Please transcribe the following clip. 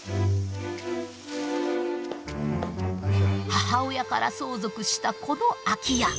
母親から相続したこの空き家。